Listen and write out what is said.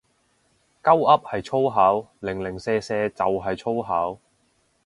鳩噏係粗口，零零舍舍就係粗口